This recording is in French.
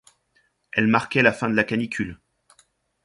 Elle marquait la fin de la Canicule.